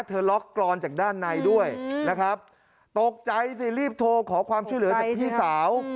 ล็อกกรอนจากด้านในด้วยนะครับตกใจสิรีบโทรขอความช่วยเหลือจากพี่สาว